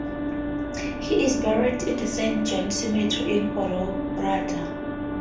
He is buried in the Saint John cemetery in Hororata.